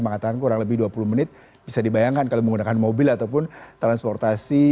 mengatakan kurang lebih dua puluh menit bisa dibayangkan kalau menggunakan mobil ataupun transportasi